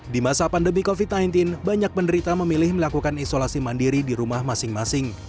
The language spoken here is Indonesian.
di masa pandemi covid sembilan belas banyak penderita memilih melakukan isolasi mandiri di rumah masing masing